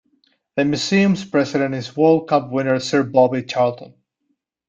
The museum's president is World Cup winner Sir Bobby Charlton.